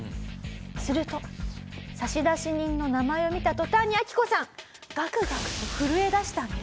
すると差出人の名前を見た途端にアキコさんガクガクと震えだしたんです。